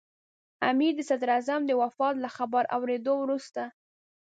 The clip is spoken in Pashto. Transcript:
امیر د صدراعظم د وفات له خبر اورېدو وروسته.